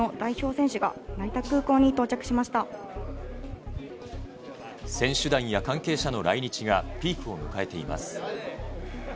選手団や関係者の来日がピークを迎えています。